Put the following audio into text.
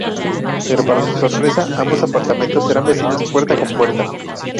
Pero para su sorpresa, ambos apartamentos serán vecinos, puerta con puerta.